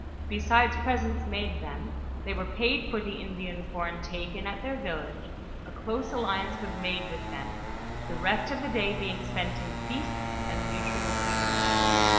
Besides presents made them, they were paid for the Indian com taken at their village ; a close alliance was made with them, the rest of the day being spent in feasts and mutual greetings.